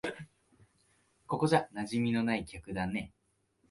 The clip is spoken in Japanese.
ここじゃ馴染みのない客だね。